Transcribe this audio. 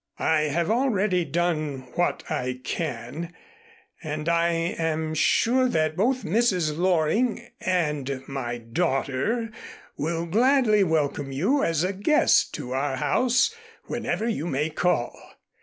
I have already done what I can and I am sure that both Mrs. Loring and my daughter will gladly welcome you as a guest to our house whenever you may call.